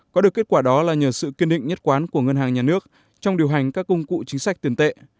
có được kết quả đó là nhờ sự kiên định nhất quán của ngân hàng nhà nước trong điều hành các công cụ chính sách tiền tệ